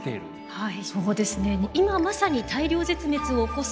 はい。